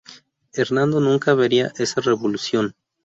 Hernando nunca vería esa revolución.